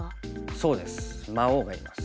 そうです魔王がいます。